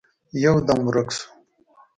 يودم ورک شو.